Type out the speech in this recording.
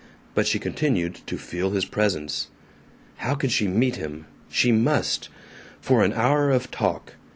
But she continued to feel his presence. How could she meet him? She must! For an hour of talk.